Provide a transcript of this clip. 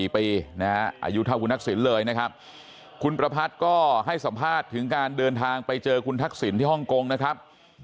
อายุเท่าคุณทักษิณเลยนะครับคุณประพัทธ์ก็ให้สัมภาษณ์ถึงการเดินทางไปเจอคุณทักษิณที่ฮ่องกงนะครับ